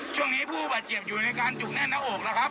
ช่วงนี้ผู้บาดเจ็บอยู่ในการจุกแน่นะโอกนะครับ